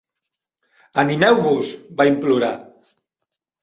"Animeu-vos!", va implorar.